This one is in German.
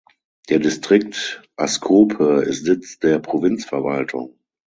Der Distrikt Ascope ist Sitz der Provinzverwaltung.